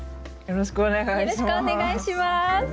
よろしくお願いします。